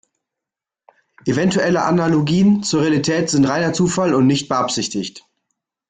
Eventuelle Analogien zur Realität sind reiner Zufall und nicht beabsichtigt.